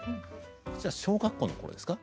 こちら小学校の頃ですか？